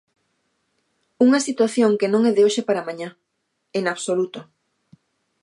Unha situación que non é de hoxe para mañá, en absoluto.